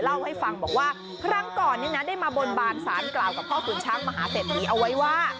เล่าให้ฟังบอกว่าครั้งก่อนได้มาบนบานสารกล่าวกับพ่อขุนช้างมหาเศรษฐีเอาไว้ว่า